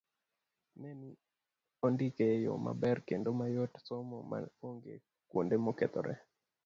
Ne ni ondike e yo maber kendo mayot somo ma onge kuonde mokethore